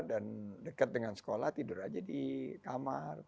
dan dekat dengan sekolah tidur aja di kamar